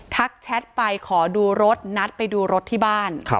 แชทไปขอดูรถนัดไปดูรถที่บ้าน